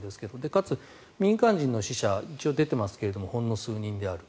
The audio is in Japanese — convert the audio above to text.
かつ、民間人の死者一応出ていますがほんの数人である。